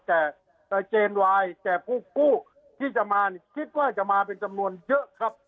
แต่เจนวายแก่ผู้กู้ที่จะมานี่คิดว่าจะมาเป็นจำนวนเยอะครับ